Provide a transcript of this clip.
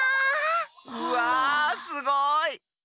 うわすごい！